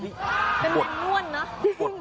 เป็นแบบน้วนนะ